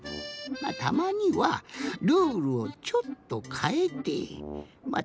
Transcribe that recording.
たまにはルールをちょっとかえてまあ